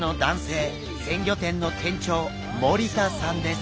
鮮魚店の店長森田さんです。